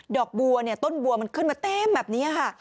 อกบัวเนี่ยต้นบัวมันขึ้นมาเต็มแบบนี้ค่ะ